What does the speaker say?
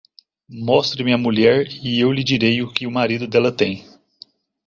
Mostre-me a mulher e eu lhe direi o que o marido dela tem.